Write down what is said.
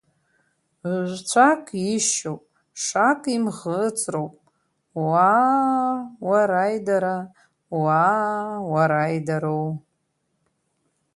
Жә-цәак ишьоуп, шак имӷыҵроуп, уаа, уараидара, уаа, уараидароу!